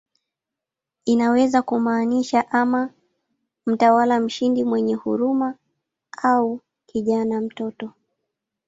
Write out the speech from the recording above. Inaweza kumaanisha ama "mtawala mshindi mwenye huruma" au "kijana, mtoto".